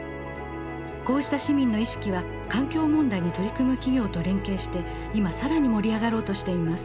こうした市民の意識は環境問題に取り組む企業と連携して今更に盛り上がろうとしています。